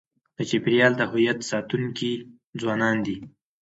د چاپېریال د هویت ساتونکي ځوانان دي.